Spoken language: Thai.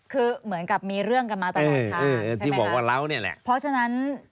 คือเหมือนกับมีเรื่องกันมาตลอดค่ะใช่ไหมครับพอฉะนั้น